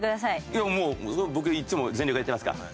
いやもう僕いつも全力でやってますから。